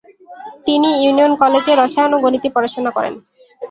তিনি ইউনিয়ন কলেজে রসায়ন ও গণিতে পড়াশোনা করেন।